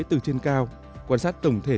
từ trên cao quan sát tổng thể